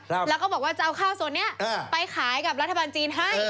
แล้วก็บอกว่าจะเอาข้าวส่วนนี้ไปขายกับรัฐบาลจีนให้